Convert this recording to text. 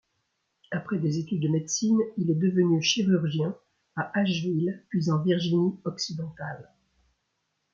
Après des études de médecine, il est devenu chirurgien à Ashville puis en Virginie-Occidentale.